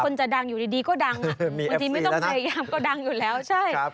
คนจะดังอยู่ดีพอดังจริงไม่ต้องเตรียมก็ดังอยู่แล้วใช่